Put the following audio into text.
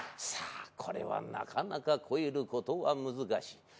さぁこれはなかなか越えることは難しい。